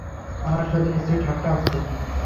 আমার সাথে নিশ্চয় ঠাট্টা হচ্ছে।